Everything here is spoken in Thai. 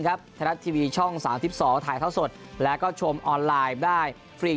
ไทยรัฐทีวีช่อง๓๒ถ่ายเท่าสดแล้วก็ชมออนไลน์ได้ฟรี